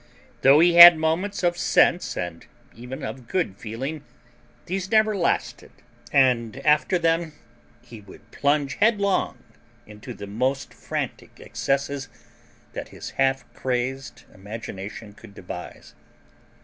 Though he had moments of sense and even of good feeling, these never lasted, and after them he would plunge headlong into the most frantic excesses that his half crazed imagination could devise.